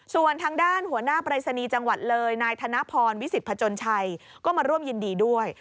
ส่วนทางด้านหัวหน้าปรายศนีย์จังหวัดเลยนายธนพรวิสิตพจนชัยก็มาร่วมยินดีด้วย